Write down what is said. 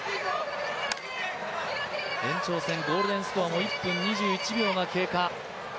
延長戦、ゴールデンスコアも１分２１秒が経過。